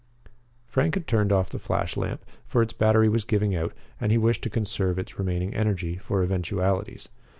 Frank had turned off the flashlamp, for its battery was giving out and he wished to conserve its remaining energy for eventualities.